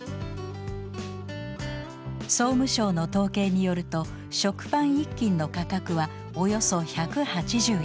総務省の統計によると食パン１斤の価格はおよそ１８０円。